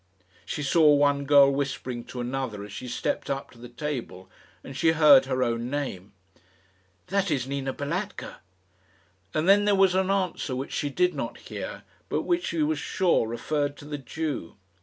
She saw one girl whispering to another as she stepped up to the table, and she heard her own name. "That is Nina Balatka." And then there was an answer which she did not hear, but which she was sure referred to the Jew.